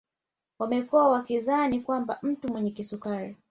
Wamekuwa wakidhani kwamba mtu mwenye kisukari